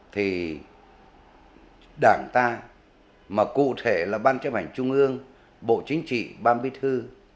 thì đảng ta mà cụ thể là ban chế bản trung ương bộ chính trị ban bí thư